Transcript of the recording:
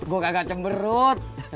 gue kagak cemberut